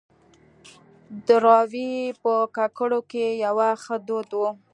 دراوۍ په کاکړو کې يو ښه دود وه.